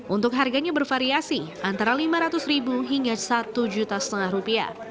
untuk harganya bervariasi antara rp lima ratus ribu hingga rp satu lima